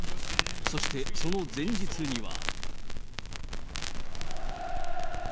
そしてその前日には。